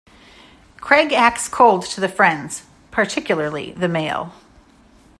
Craig acts cold to the friends, particularly the male.